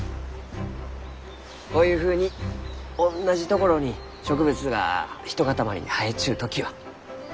こういうふうにおんなじ所に植物がひとかたまりに生えちゅう時は？